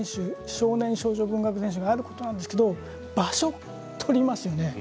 少年少女文学全集があることなんですけれども場所を取りますよね。